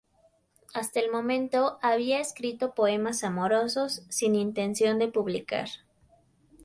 Hasta el momento, había escrito poemas amorosos, sin intención de publicar.